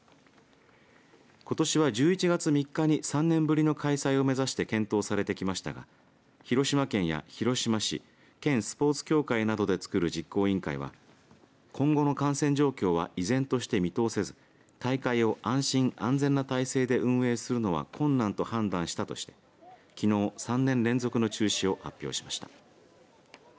ことしは、１１月３日に３年ぶりの開催を目指して検討されてきましたが広島県や広島市県スポーツ協会などで作る実行委員会は今後の感染状況は依然として見通せず大会は安心、安全な態勢で運営するのは困難と判断したとしてきのう３年連続の中止を発表しました。